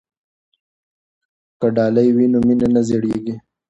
که ډالۍ وي نو مینه نه زړیږي.